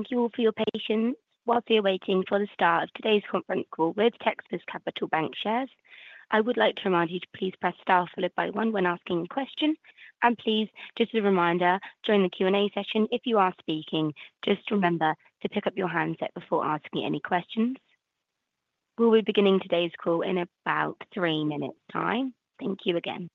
Thank you all for your patience while you're waiting for the start of today's conference call with Texas Capital Bancshares. I would like to remind you to please press star followed by one when asking a question, and please, just as a reminder, during the Q&A session, if you are speaking, just remember to pick up your handset before asking any questions. We'll be beginning today's call in about three minutes' time. Thank you again.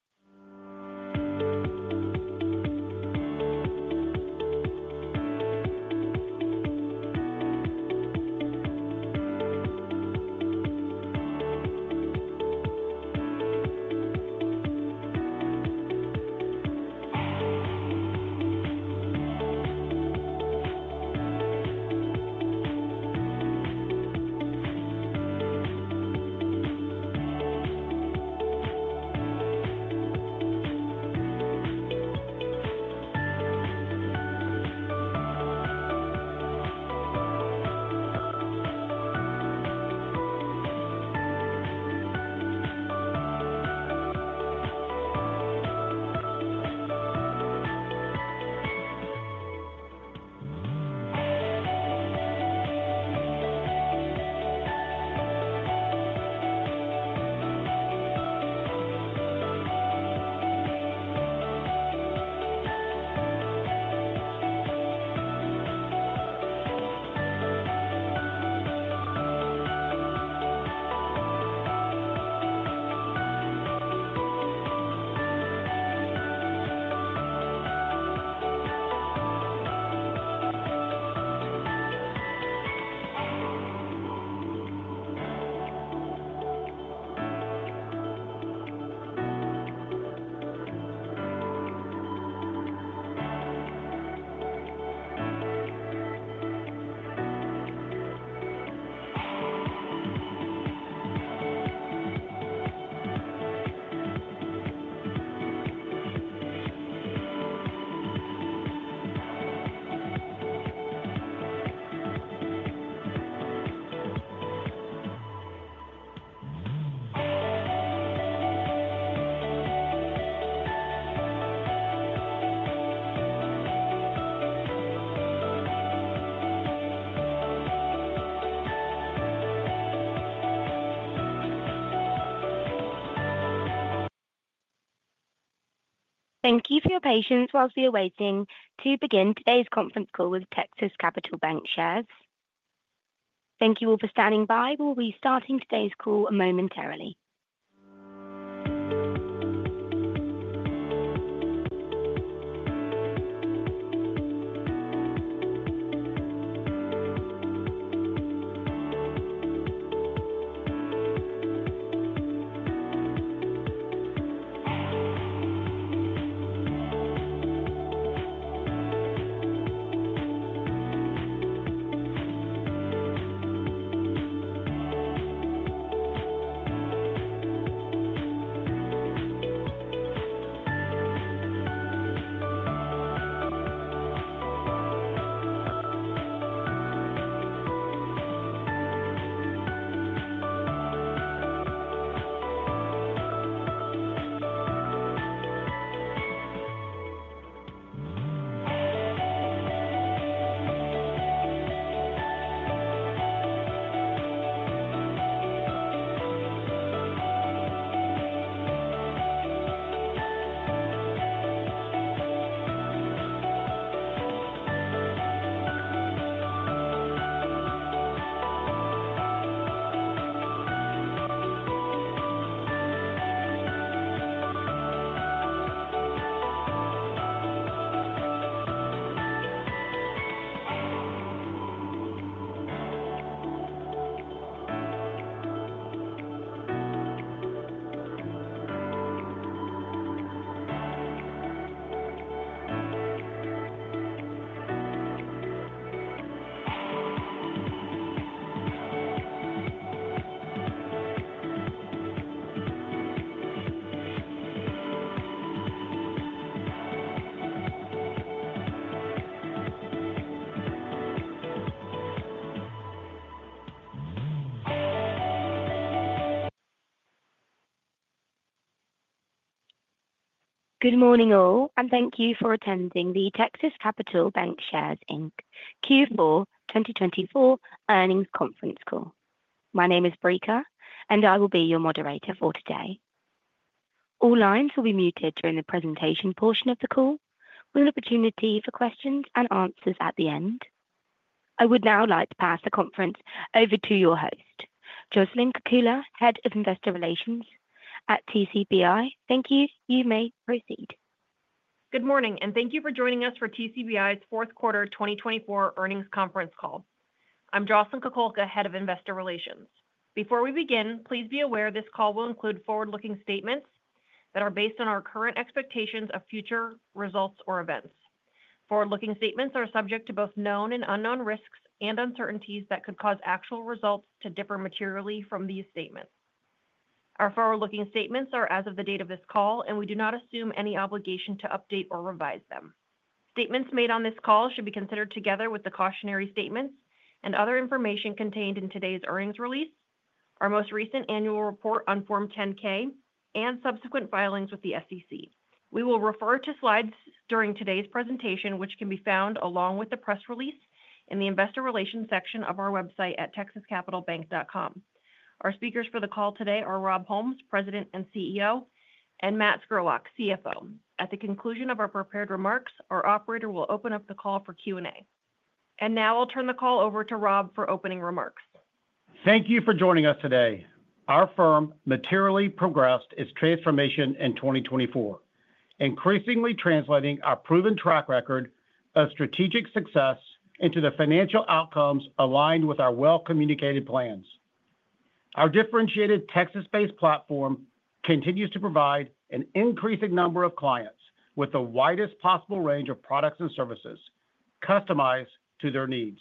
Thank you for your patience while you're waiting to begin today's conference call with Texas Capital Bancshares. Thank you all for standing by. We'll be starting today's call momentarily. Good morning all, and thank you for attending the Texas Capital Bancshares, Inc. Q4 2024 earnings conference call. My name is Brika, and I will be your moderator for today. All lines will be muted during the presentation portion of the call. We'll have an opportunity for questions and answers at the end. I would now like to pass the conference over to your host, Jocelyn Kukulka, Head of Investor Relations at TCBI. Thank you. You may proceed. Good morning, and thank you for joining us for TCBI's fourth quarter 2024 earnings conference call. I'm Jocelyn Kukulka, Head of Investor Relations. Before we begin, please be aware this call will include forward-looking statements that are based on our current expectations of future results or events. Forward-looking statements are subject to both known and unknown risks and uncertainties that could cause actual results to differ materially from these statements. Our forward-looking statements are as of the date of this call, and we do not assume any obligation to update or revise them. Statements made on this call should be considered together with the cautionary statements and other information contained in today's earnings release, our most recent annual report on Form 10-K, and subsequent filings with the SEC. We will refer to slides during today's presentation, which can be found along with the press release in the Investor Relations section of our website at texascapitalbank.com. Our speakers for the call today are Rob Holmes, President and CEO, and Matt Scurlock, CFO. At the conclusion of our prepared remarks, our operator will open up the call for Q&A. And now I'll turn the call over to Rob for opening remarks. Thank you for joining us today. Our firm materially progressed its transformation in 2024, increasingly translating our proven track record of strategic success into the financial outcomes aligned with our well-communicated plans. Our differentiated Texas-based platform continues to provide an increasing number of clients with the widest possible range of products and services customized to their needs.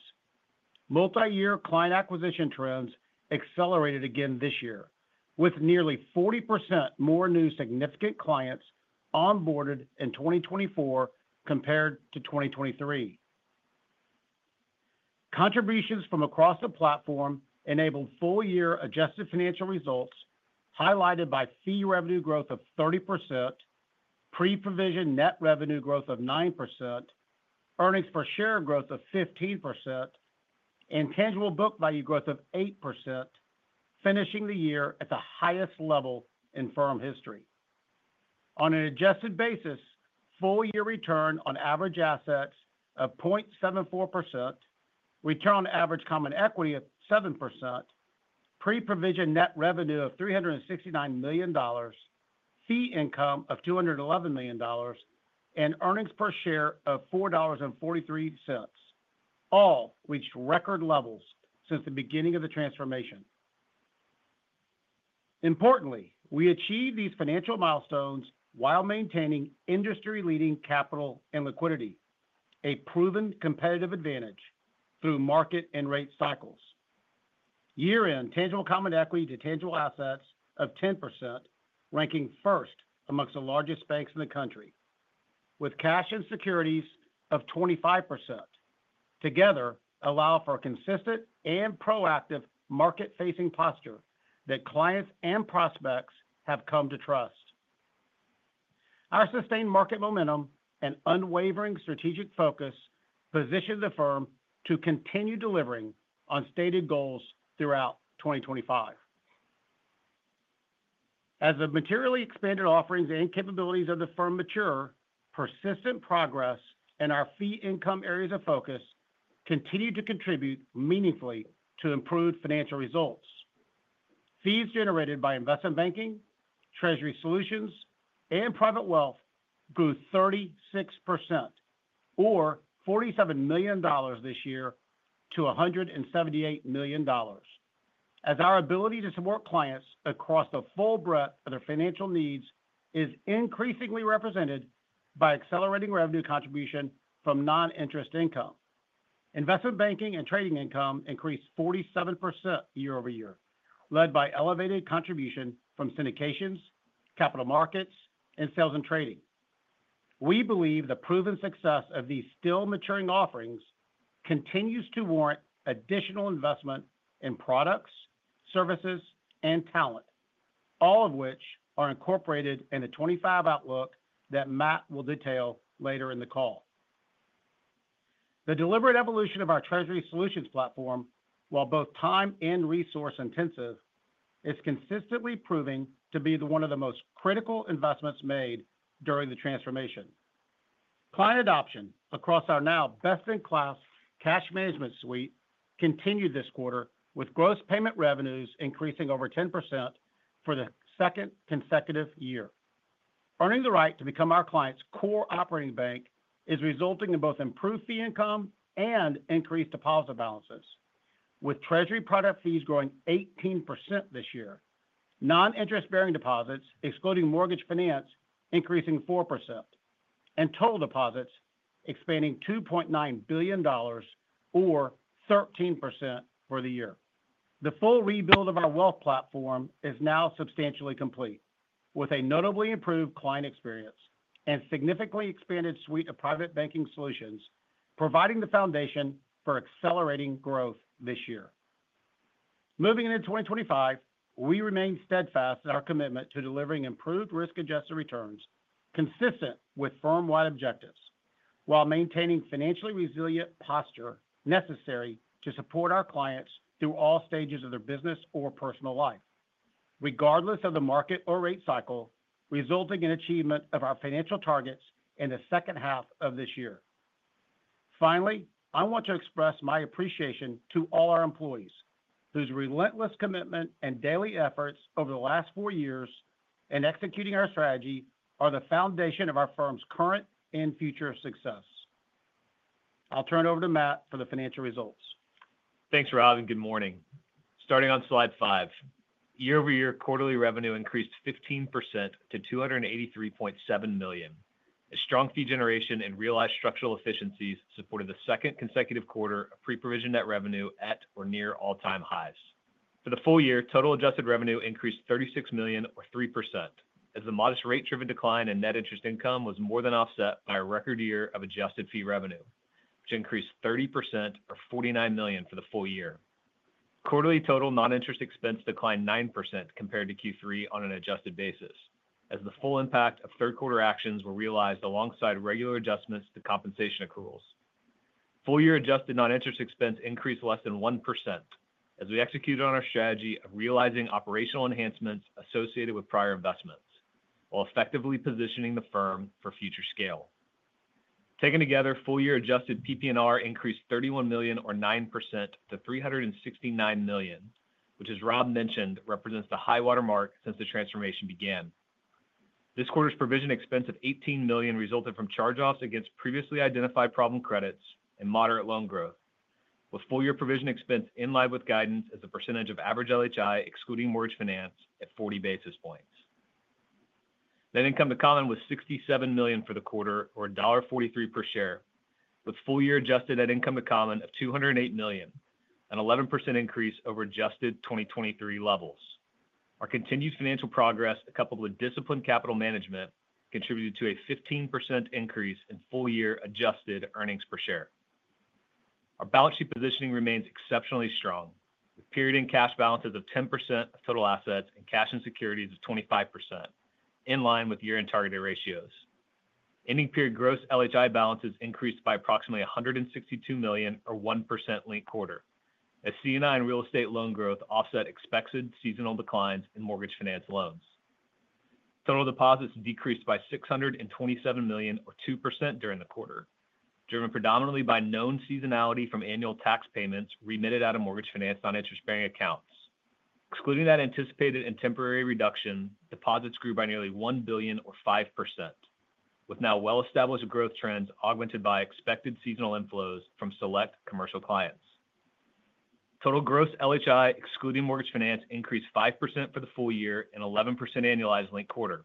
Multi-year client acquisition trends accelerated again this year, with nearly 40% more new significant clients onboarded in 2024 compared to 2023. Contributions from across the platform enabled full-year adjusted financial results highlighted by fee revenue growth of 30%, pre-provision net revenue growth of 9%, earnings per share growth of 15%, and tangible book value growth of 8%, finishing the year at the highest level in firm history. On an adjusted basis, full-year return on average assets of 0.74%, return on average common equity of 7%, pre-provision net revenue of $369 million, fee income of $211 million, and earnings per share of $4.43, all reached record levels since the beginning of the transformation. Importantly, we achieved these financial milestones while maintaining industry-leading capital and liquidity, a proven competitive advantage through market and rate cycles. Year-end tangible common equity to tangible assets of 10%, ranking first among the largest banks in the country, with cash and securities of 25%, together allow for a consistent and proactive market-facing posture that clients and prospects have come to trust. Our sustained market momentum and unwavering strategic focus position the firm to continue delivering on stated goals throughout 2025. As the materially expanded offerings and capabilities of the firm mature, persistent progress in our fee income areas of focus continue to contribute meaningfully to improved financial results. Fees generated by investment banking, treasury solutions, and private wealth grew 36%, or $47 million this year to $178 million, as our ability to support clients across the full breadth of their financial needs is increasingly represented by accelerating revenue contribution from non-interest income. Investment banking and trading income increased 47% year over year, led by elevated contribution from syndications, capital markets, and sales and trading. We believe the proven success of these still maturing offerings continues to warrant additional investment in products, services, and talent, all of which are incorporated in a 25 outlook that Matt will detail later in the call. The deliberate evolution of our treasury solutions platform, while both time and resource intensive, is consistently proving to be one of the most critical investments made during the transformation. Client adoption across our now best-in-class cash management suite continued this quarter, with gross payment revenues increasing over 10% for the second consecutive year. Earning the right to become our client's core operating bank is resulting in both improved fee income and increased deposit balances, with treasury product fees growing 18% this year, non-interest-bearing deposits excluding mortgage finance increasing 4%, and total deposits expanding $2.9 billion, or 13%, for the year. The full rebuild of our wealth platform is now substantially complete, with a notably improved client experience and significantly expanded suite of private banking solutions providing the foundation for accelerating growth this year. Moving into 2025, we remain steadfast in our commitment to delivering improved risk-adjusted returns consistent with firm-wide objectives, while maintaining a financially resilient posture necessary to support our clients through all stages of their business or personal life, regardless of the market or rate cycle, resulting in achievement of our financial targets in the second half of this year. Finally, I want to express my appreciation to all our employees, whose relentless commitment and daily efforts over the last four years in executing our strategy are the foundation of our firm's current and future success. I'll turn it over to Matt for the financial results. Thanks, Rob, and good morning. Starting on slide five, year-over-year quarterly revenue increased 15% to $283.7 million. A strong fee generation and realized structural efficiencies supported the second consecutive quarter of pre-provision net revenue at or near all-time highs. For the full year, total adjusted revenue increased $36 million, or 3%, as the modest rate-driven decline in net interest income was more than offset by a record year of adjusted fee revenue, which increased 30%, or $49 million, for the full year. Quarterly total non-interest expense declined 9% compared to Q3 on an adjusted basis, as the full impact of third-quarter actions were realized alongside regular adjustments to compensation accruals. Full-year adjusted non-interest expense increased less than 1%, as we executed on our strategy of realizing operational enhancements associated with prior investments while effectively positioning the firm for future scale. Taken together, full-year adjusted PPNR increased $31 million, or 9%, to $369 million, which, as Rob mentioned, represents the high-water mark since the transformation began. This quarter's provision expense of $18 million resulted from charge-offs against previously identified problem credits and moderate loan growth, with full-year provision expense in line with guidance as a percentage of average LHI excluding mortgage finance at 40 basis points. Net income to common was $67 million for the quarter, or $1.43 per share, with full-year adjusted net income to common of $208 million, an 11% increase over adjusted 2023 levels. Our continued financial progress, coupled with disciplined capital management, contributed to a 15% increase in full-year adjusted earnings per share. Our balance sheet positioning remains exceptionally strong, with period-end cash balances of 10% of total assets and cash and securities of 25%, in line with year-end targeted ratios. Ending period gross LHI balances increased by approximately $162 million, or 1%, late quarter, as C&I and real estate loan growth offset expected seasonal declines in mortgage finance loans. Total deposits decreased by $627 million, or 2%, during the quarter, driven predominantly by known seasonality from annual tax payments remitted out of mortgage finance non-interest-bearing accounts. Excluding that anticipated and temporary reduction, deposits grew by nearly $1 billion, or 5%, with now well-established growth trends augmented by expected seasonal inflows from select commercial clients. Total gross LHI, excluding mortgage finance, increased 5% for the full year and 11% annualized late quarter.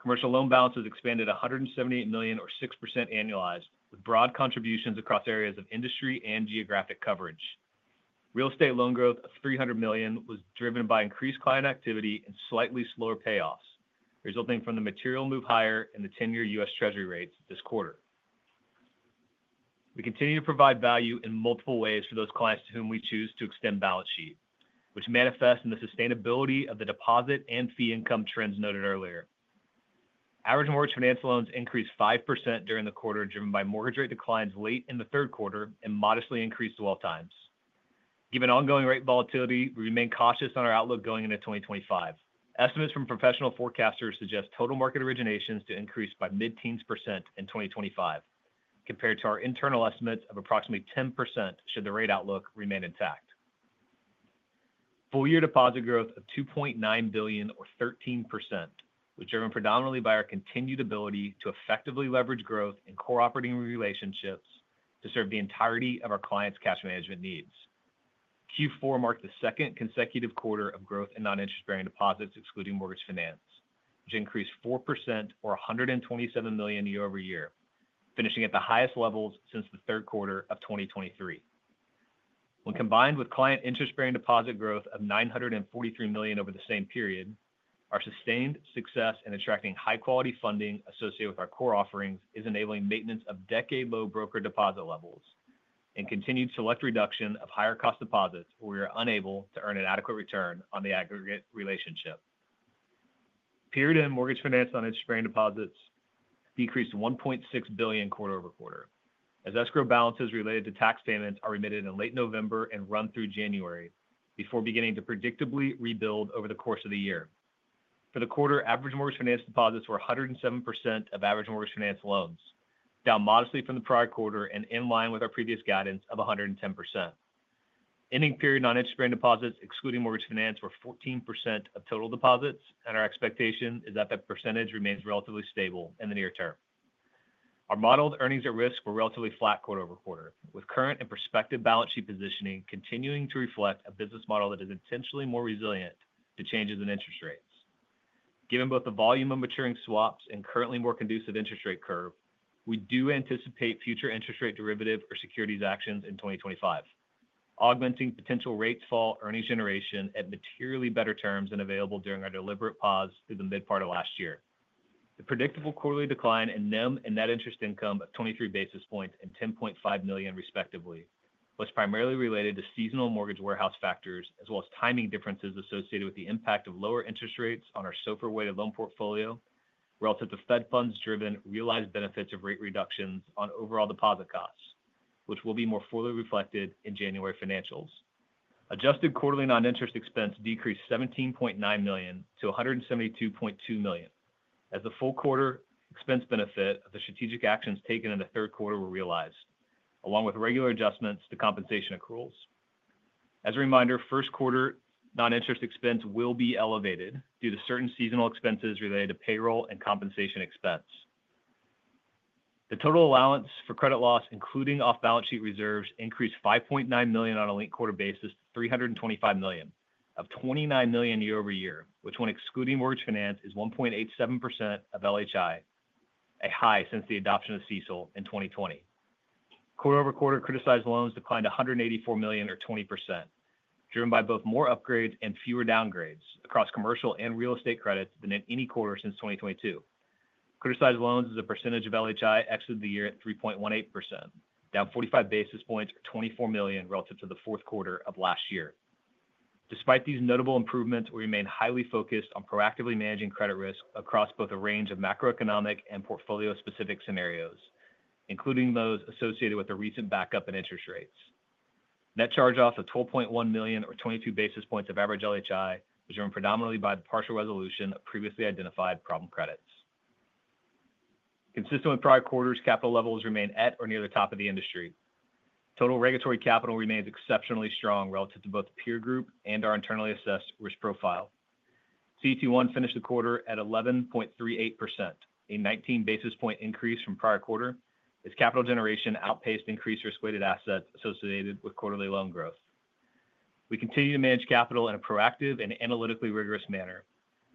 Commercial loan balances expanded $178 million, or 6%, annualized, with broad contributions across areas of industry and geographic coverage. Real estate loan growth of $300 million was driven by increased client activity and slightly slower payoffs, resulting from the material move higher in the 10-year U.S. Treasury rates this quarter. We continue to provide value in multiple ways for those clients to whom we choose to extend balance sheet, which manifests in the sustainability of the deposit and fee income trends noted earlier. Average mortgage finance loans increased 5% during the quarter, driven by mortgage rate declines late in the third quarter and modestly increased dwell times. Given ongoing rate volatility, we remain cautious on our outlook going into 2025. Estimates from professional forecasters suggest total market originations to increase by mid-teens % in 2025, compared to our internal estimates of approximately 10% should the rate outlook remain intact. Full-year deposit growth of $2.9 billion, or 13%, was driven predominantly by our continued ability to effectively leverage growth in core operating relationships to serve the entirety of our clients' cash management needs. Q4 marked the second consecutive quarter of growth in non-interest-bearing deposits, excluding mortgage finance, which increased 4%, or $127 million year-over-year, finishing at the highest levels since the third quarter of 2023. When combined with client interest-bearing deposit growth of $943 million over the same period, our sustained success in attracting high-quality funding associated with our core offerings is enabling maintenance of decade-low broker deposit levels and continued select reduction of higher-cost deposits, where we are unable to earn an adequate return on the aggregate relationship. Period-end and mortgage finance non-interest-bearing deposits decreased $1.6 billion quarter over quarter, as escrow balances related to tax payments are remitted in late November and run through January before beginning to predictably rebuild over the course of the year. For the quarter, average mortgage finance deposits were 107% of average mortgage finance loans, down modestly from the prior quarter and in line with our previous guidance of 110%. Ending period non-interest-bearing deposits, excluding mortgage finance, were 14% of total deposits, and our expectation is that that percentage remains relatively stable in the near term. Our modeled earnings at risk were relatively flat quarter over quarter, with current and prospective balance sheet positioning continuing to reflect a business model that is intentionally more resilient to changes in interest rates. Given both the volume of maturing swaps and currently more conducive interest rate curve, we do anticipate future interest rate derivative or securities actions in 2025, augmenting potential rate fall earnings generation at materially better terms than available during our deliberate pause through the mid-part of last year. The predictable quarterly decline in net interest income of 23 basis points and $10.5 million, respectively, was primarily related to seasonal mortgage warehouse factors, as well as timing differences associated with the impact of lower interest rates on our SOFR-weighted loan portfolio relative to Fed funds-driven realized benefits of rate reductions on overall deposit costs, which will be more fully reflected in January financials. Adjusted quarterly non-interest expense decreased $17.9 million to $172.2 million, as the full quarter expense benefit of the strategic actions taken in the third quarter were realized, along with regular adjustments to compensation accruals. As a reminder, first quarter non-interest expense will be elevated due to certain seasonal expenses related to payroll and compensation expense. The total allowance for credit loss, including off-balance sheet reserves, increased $5.9 million on a linked quarter basis to $325 million, up $29 million year-over-year, which, when excluding mortgage finance, is 1.87% of LHI, a high since the adoption of CECL in 2020. Quarter over quarter, criticized loans declined $184 million, or 20%, driven by both more upgrades and fewer downgrades across commercial and real estate credits than in any quarter since 2022. Criticized loans as a percentage of LHI exited the year at 3.18%, down 45 basis points, or $24 million relative to the fourth quarter of last year. Despite these notable improvements, we remain highly focused on proactively managing credit risk across both a range of macroeconomic and portfolio-specific scenarios, including those associated with the recent backup in interest rates. Net charge-off of $12.1 million, or 22 basis points of average LHI, was driven predominantly by the partial resolution of previously identified problem credits. Consistent with prior quarters, capital levels remain at or near the top of the industry. Total regulatory capital remains exceptionally strong relative to both peer group and our internally assessed risk profile. CT1 finished the quarter at 11.38%, a 19 basis point increase from prior quarter, as capital generation outpaced increased risk-weighted assets associated with quarterly loan growth. We continue to manage capital in a proactive and analytically rigorous manner,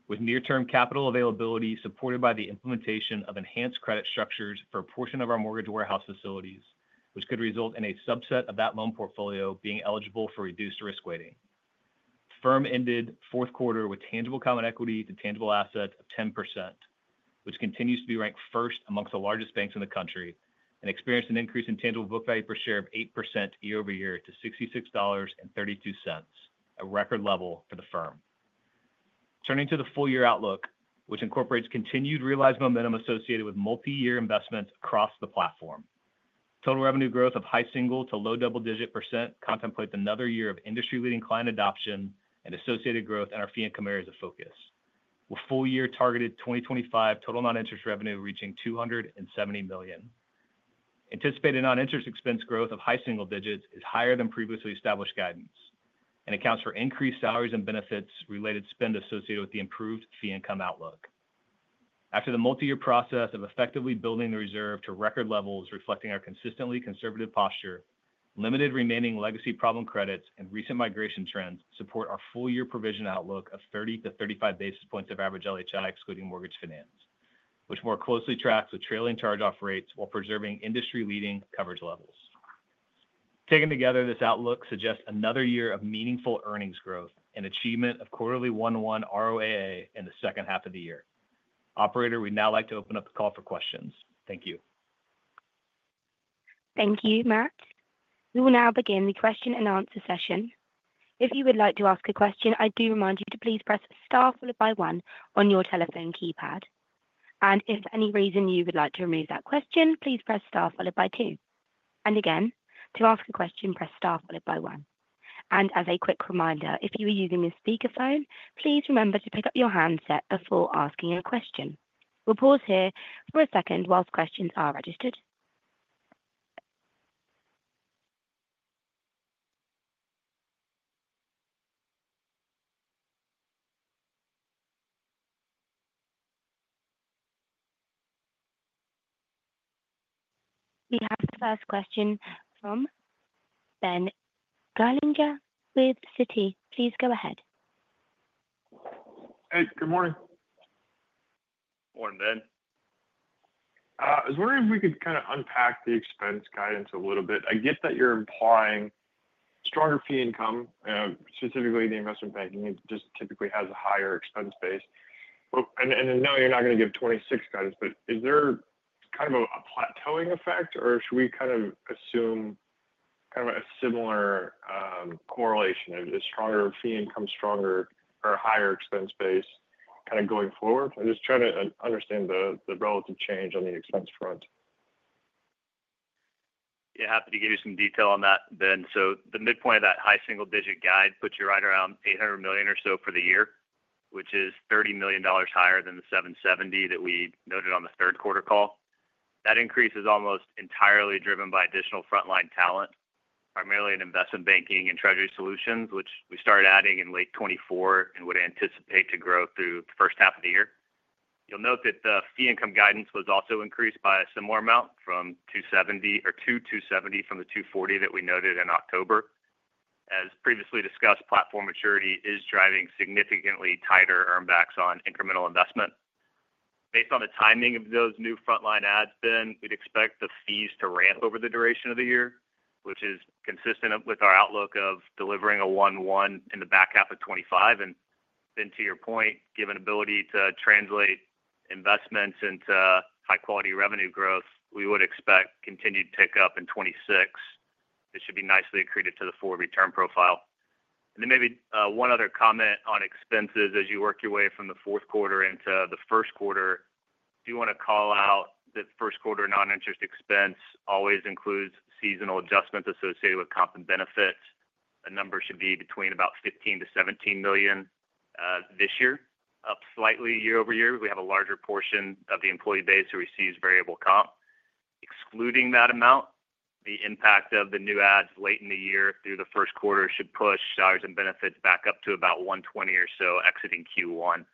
with near-term capital availability supported by the implementation of enhanced credit structures for a portion of our mortgage warehouse facilities, which could result in a subset of that loan portfolio being eligible for reduced risk weighting. Firm ended fourth quarter with tangible common equity to tangible assets of 10%, which continues to be ranked first amongst the largest banks in the country and experienced an increase in tangible book value per share of 8% year-over-year to $66.32, a record level for the firm. Turning to the full-year outlook, which incorporates continued realized momentum associated with multi-year investments across the platform, total revenue growth of high single- to low double-digit % contemplates another year of industry-leading client adoption and associated growth in our fee and commodities of focus, with full-year targeted 2025 total non-interest revenue reaching $270 million. Anticipated non-interest expense growth of high single digits is higher than previously established guidance and accounts for increased salaries and benefits-related spend associated with the improved fee income outlook. After the multi-year process of effectively building the reserve to record levels, reflecting our consistently conservative posture, limited remaining legacy problem credits and recent migration trends support our full-year provision outlook of 30-35 basis points of average LHI, excluding mortgage finance, which more closely tracks with trailing charge-off rates while preserving industry-leading coverage levels. Taken together, this outlook suggests another year of meaningful earnings growth and achievement of quarterly 1.1 ROAA in the second half of the year. Operator, we'd now like to open up the call for questions. Thank you. Thank you, Matt. We will now begin the question and answer session. If you would like to ask a question, I do remind you to please press star followed by one on your telephone keypad. And if for any reason you would like to remove that question, please press star followed by two. And again, to ask a question, press star followed by one. And as a quick reminder, if you are using a speakerphone, please remember to pick up your handset before asking a question. We'll pause here for a second whilst questions are registered. We have the first question from Ben Gerlinger with Citi. Please go ahead. Hey, good morning. Good morning, Ben. I was wondering if we could kind of unpack the expense guidance a little bit. I get that you're implying stronger fee income, specifically the investment banking just typically has a higher expense base. And I know you're not going to give 26 guidance, but is there kind of a plateauing effect, or should we kind of assume kind of a similar correlation of stronger fee income, stronger or higher expense base kind of going forward? I'm just trying to understand the relative change on the expense front. Yeah, happy to give you some detail on that, Ben. So the midpoint of that high single-digit guide puts you right around $800 million or so for the year, which is $30 million higher than the $770 that we noted on the third quarter call. That increase is almost entirely driven by additional frontline talent, primarily in investment banking and treasury solutions, which we started adding in late 2024 and would anticipate to grow through the first half of the year. You'll note that the fee income guidance was also increased by a similar amount to $270 from the $240 that we noted in October. As previously discussed, platform maturity is driving significantly tighter earnings credits on incremental investment. Based on the timing of those new frontline ads, Ben, we'd expect the fees to ramp over the duration of the year, which is consistent with our outlook of delivering 11% in the back half of 2025. To your point, given the ability to translate investments into high-quality revenue growth, we would expect continued pickup in 2026. This should be nicely accreted to the full return profile. Then maybe one other comment on expenses as you work your way from the fourth quarter into the first quarter. I do want to call out that first quarter non-interest expense always includes seasonal adjustments associated with comp and benefits. The number should be between about $15-$17 million this year, up slightly year-over-year. We have a larger portion of the employee base who receives variable comp. Excluding that amount, the impact of the new adds late in the year through the first quarter should push salaries and benefits back up to about $120 or so exiting Q1,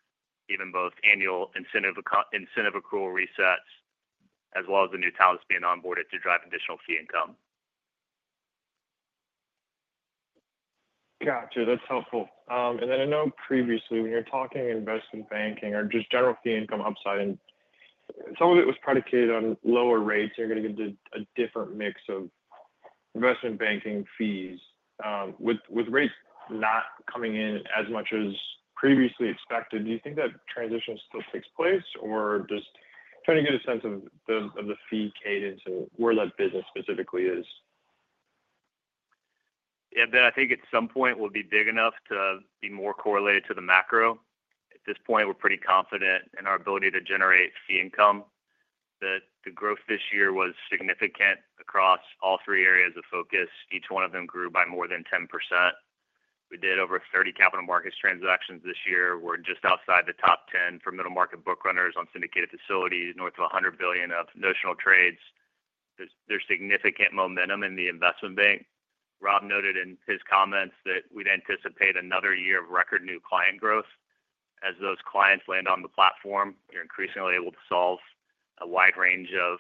given both annual incentive accrual resets as well as the new talents being onboarded to drive additional fee income. Gotcha. That's helpful. And then I know previously, when you're talking investment banking or just general fee income upside, and some of it was predicated on lower rates, you're going to get a different mix of investment banking fees. With rates not coming in as much as previously expected, do you think that transition still takes place, or just trying to get a sense of the fee cadence and where that business specifically is? Yeah, Ben, I think at some point we'll be big enough to be more correlated to the macro. At this point, we're pretty confident in our ability to generate fee income. The growth this year was significant across all three areas of focus. Each one of them grew by more than 10%. We did over 30 capital markets transactions this year. We're just outside the top 10 for middle market book runners on syndicated facilities, north of $100 billion of notional trades. There's significant momentum in the investment bank. Rob noted in his comments that we'd anticipate another year of record new client growth. As those clients land on the platform, you're increasingly able to solve a wide range of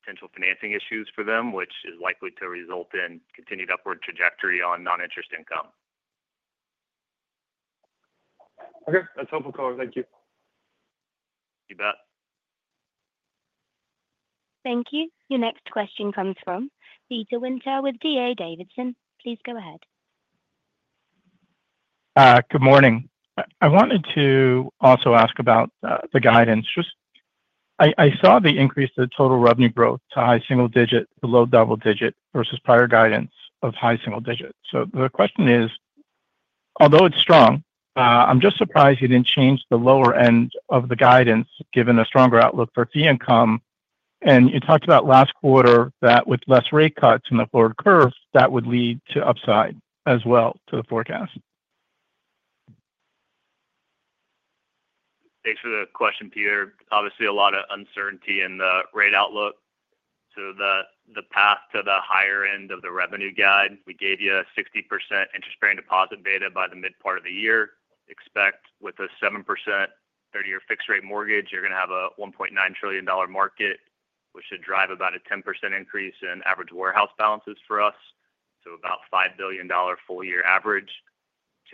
potential financing issues for them, which is likely to result in continued upward trajectory on non-interest income. Okay. That's helpful, Colin. Thank you. You bet. Thank you. Your next question comes from Peter Winter with D.A. Davidson. Please go ahead. Good morning. I wanted to also ask about the guidance. I saw the increase to total revenue growth to high single digit, below double digit versus prior guidance of high single digit, so the question is, although it's strong, I'm just surprised you didn't change the lower end of the guidance given a stronger outlook for fee income, and you talked about last quarter that with less rate cuts in the forward curve, that would lead to upside as well to the forecast. Thanks for the question, Peter. Obviously, a lot of uncertainty in the rate outlook. So the path to the higher end of the revenue guide, we gave you a 60% interest-bearing deposit beta by the mid-part of the year. Expect with a 7% 30-year fixed-rate mortgage, you're going to have a $1.9 trillion market, which should drive about a 10% increase in average warehouse balances for us, to about $5 billion full-year average,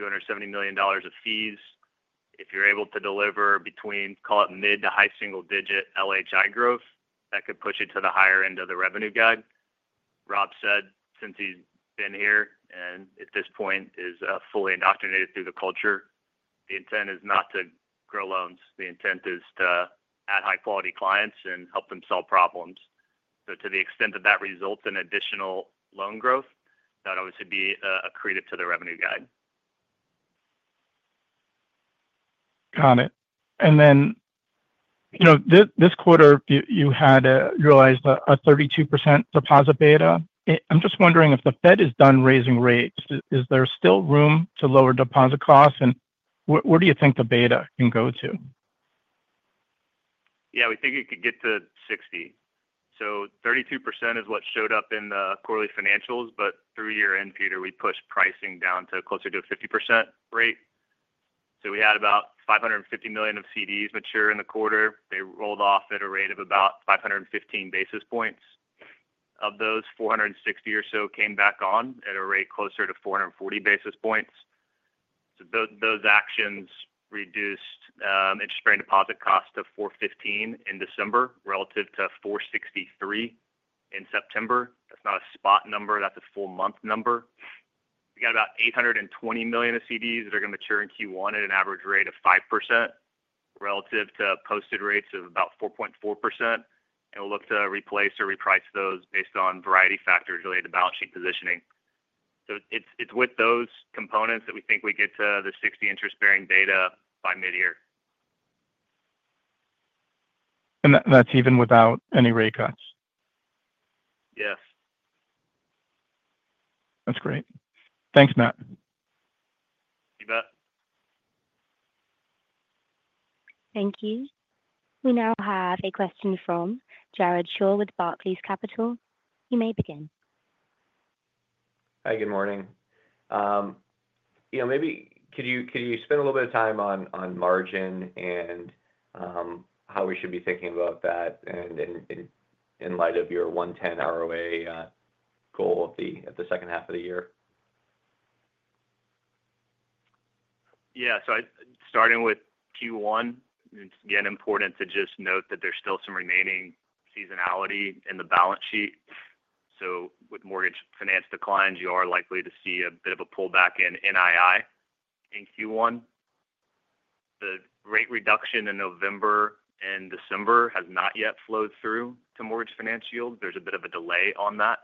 $270 million of fees. If you're able to deliver between, call it, mid to high single-digit LHI growth, that could push it to the higher end of the revenue guide. Rob said, since he's been here and at this point is fully indoctrinated through the culture, the intent is not to grow loans. The intent is to add high-quality clients and help them solve problems. So to the extent that that results in additional loan growth, that obviously would be accreted to the revenue guide. Got it. And then this quarter, you realized a 32% deposit beta. I'm just wondering if the Fed is done raising rates, is there still room to lower deposit costs, and where do you think the beta can go to? Yeah, we think it could get to 60%. So 32% is what showed up in the quarterly financials, but through year-end, Peter, we pushed pricing down to closer to a 50% rate. So we had about $550 million of CDs mature in the quarter. They rolled off at a rate of about 515 basis points. Of those, 460 or so came back on at a rate closer to 440 basis points. So those actions reduced interest-bearing deposit costs to 415 in December relative to 463 in September. That's not a spot number. That's a full month number. We got about $820 million of CDs that are going to mature in Q1 at an average rate of 5% relative to posted rates of about 4.4%. And we'll look to replace or reprice those based on various factors related to balance sheet positioning. So it's with those components that we think we get to the 60 interest-bearing beta by mid-year. That's even without any rate cuts? Yes. That's great. Thanks, Matt. You bet. Thank you. We now have a question from Jared Shaw with Barclays Capital. You may begin. Hi, good morning. Maybe could you spend a little bit of time on margin and how we should be thinking about that in light of your 110 ROA goal at the second half of the year? Yeah. So starting with Q1, it's again important to just note that there's still some remaining seasonality in the balance sheet. So with mortgage finance declines, you are likely to see a bit of a pullback in NII in Q1. The rate reduction in November and December has not yet flowed through to mortgage finance yield. There's a bit of a delay on that.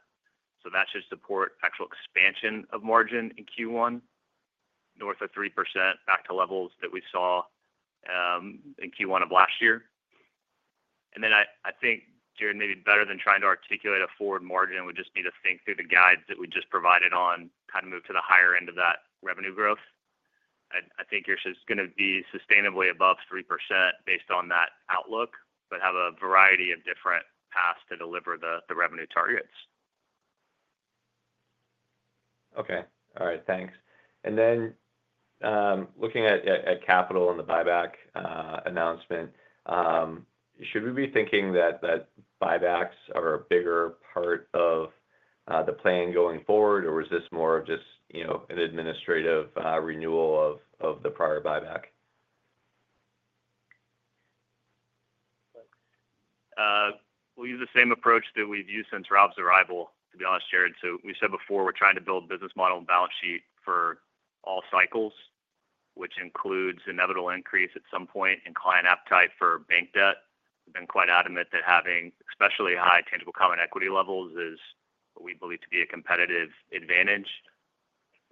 So that should support actual expansion of margin in Q1, north of 3% back to levels that we saw in Q1 of last year. And then I think, Jared, maybe better than trying to articulate a forward margin, we just need to think through the guides that we just provided on how to move to the higher end of that revenue growth. I think you're just going to be sustainably above 3% based on that outlook, but have a variety of different paths to deliver the revenue targets. Okay. All right. Thanks, and then looking at capital and the buyback announcement, should we be thinking that buybacks are a bigger part of the plan going forward, or is this more of just an administrative renewal of the prior buyback? We'll use the same approach that we've used since Rob's arrival, to be honest, Jared. So we said before we're trying to build a business model and balance sheet for all cycles, which includes inevitable increase at some point in client appetite for bank debt. We've been quite adamant that having especially high tangible common equity levels is what we believe to be a competitive advantage.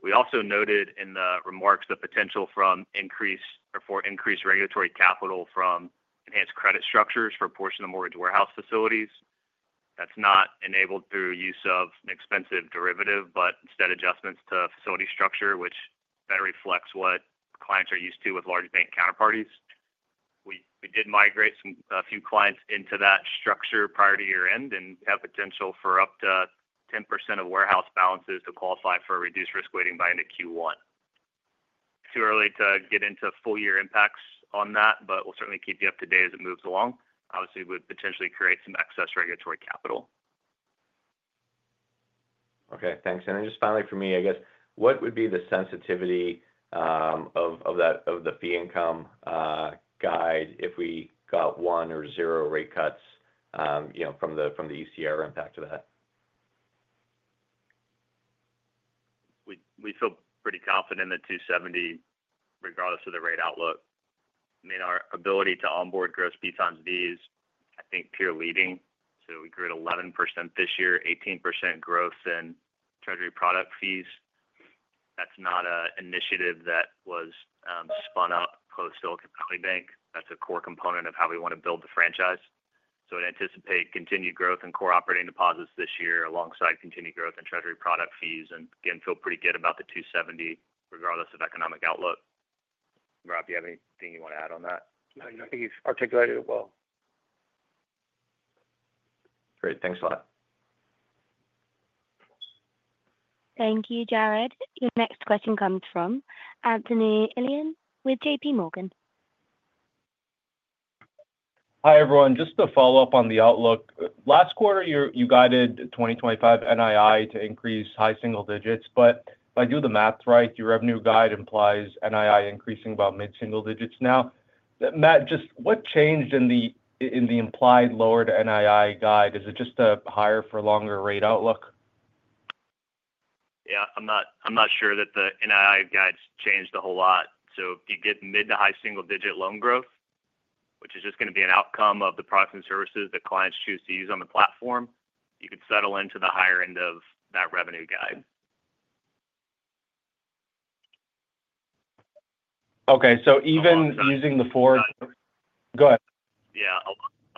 We also noted in the remarks the potential for increased regulatory capital from enhanced credit structures for a portion of the mortgage warehouse facilities. That's not enabled through use of an expensive derivative, but instead adjustments to facility structure, which better reflects what clients are used to with large bank counterparties. We did migrate a few clients into that structure prior to year-end and have potential for up to 10% of warehouse balances to qualify for a reduced risk weighting by end of Q1. Too early to get into full-year impacts on that, but we'll certainly keep you up to date as it moves along. Obviously, it would potentially create some excess regulatory capital. Okay. Thanks. And then just finally for me, I guess, what would be the sensitivity of the fee income guide if we got one or zero rate cuts from the ECR impact of that? We feel pretty confident in the 270, regardless of the rate outlook. I mean, our ability to onboard gross B times B is, I think, peer-leading. So we grew at 11% this year, 18% growth in treasury product fees. That's not an initiative that was spun up post-Silicon Valley Bank. That's a core component of how we want to build the franchise. So I'd anticipate continued growth in core operating deposits this year alongside continued growth in treasury product fees. And again, feel pretty good about the 270, regardless of economic outlook. Rob, do you have anything you want to add on that? No, I think you've articulated it well. Great. Thanks a lot. Thank you, Jared. Your next question comes from Anthony Elian with J.P. Morgan. Hi everyone. Just to follow up on the outlook. Last quarter, you guided 2025 NII to increase high single digits. But if I do the math right, your revenue guide implies NII increasing about mid-single digits now. Matt, just what changed in the implied lowered NII guide? Is it just a higher-for-longer rate outlook? Yeah. I'm not sure that the NII guides changed a whole lot. So if you get mid to high single-digit loan growth, which is just going to be an outcome of the products and services that clients choose to use on the platform, you could settle into the higher end of that revenue guide. Okay, so even using the four. Go ahead. Yeah.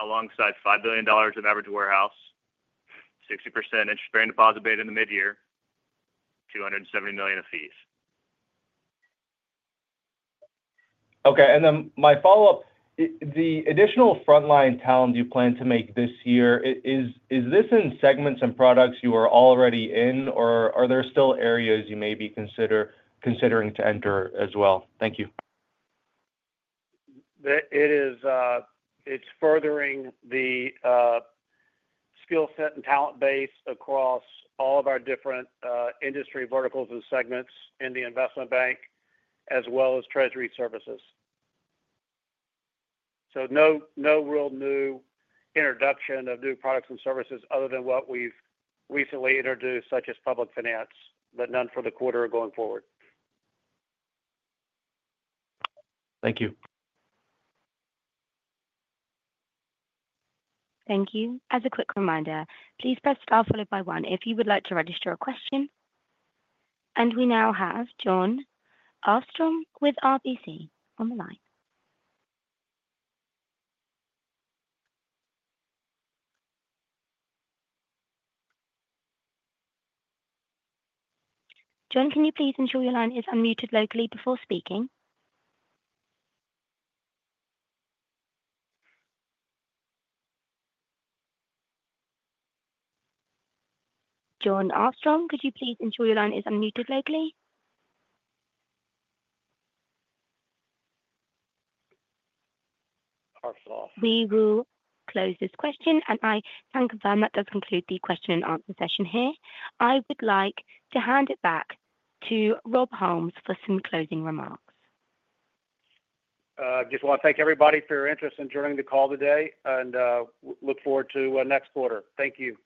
Alongside $5 billion of average warehouse, 60% interest-bearing deposit beta in the mid-year, $270 million of fees. Okay. And then my follow-up, the additional frontline talent you plan to make this year, is this in segments and products you are already in, or are there still areas you may be considering to enter as well? Thank you. It's furthering the skill set and talent base across all of our different industry verticals and segments in the investment bank as well as treasury services. So no real new introduction of new products and services other than what we've recently introduced, such as public finance, but none for the quarter going forward. Thank you. Thank you. As a quick reminder, please press star followed by one if you would like to register a question. And we now have Jon Arfstrom with RBC on the line. Jon, can you please ensure your line is unmuted locally before speaking? Jon Arfstrom, could you please ensure your line is unmuted locally? We will close this question, and I can confirm that does conclude the question and answer session here. I would like to hand it back to Rob Holmes for some closing remarks. Just want to thank everybody for your interest in joining the call today, and look forward to next quarter. Thank you.